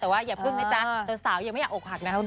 แต่ว่าอย่าพึ่งนะจ๊ะสาวยังไม่อยากอกหักนะครับ